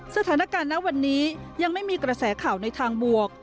สถานการณ์ณวันนี้ยังไม่มีกระแสข่าวในทางบวก